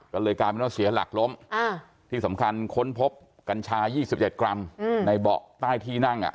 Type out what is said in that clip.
ก็เลยกลายเป็นว่าเสียหลักล้มที่สำคัญค้นพบกัญชา๒๗กรัมในเบาะใต้ที่นั่ง